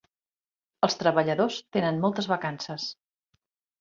Els treballadors tenen moltes vacances.